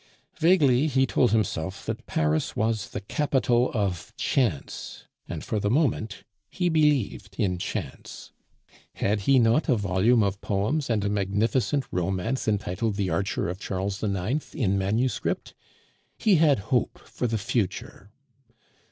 Vaguely he told himself that Paris was the capital of chance, and for the moment he believed in chance. Had he not a volume of poems and a magnificent romance entitled The Archer of Charles IX. in manuscript? He had hope for the future.